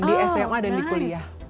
di sma dan di kuliah